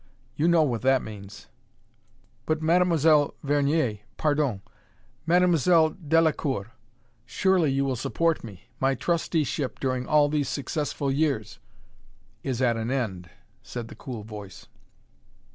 You know what that means." "But Mademoiselle Vernier pardon! Mam'selle Delacoeur, surely you will support me. My trustee ship during all these successful years " "Is at an end," said the cool voice.